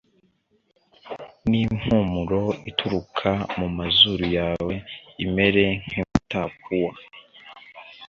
n impumuro ituruka mu mazuru yawe imere nk imitapuwa